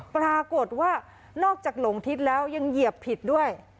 ปรากฏว่านอกจากหลงทิศแล้วยังเหยียบผิดด้วย